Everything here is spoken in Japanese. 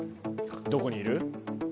どこにいる？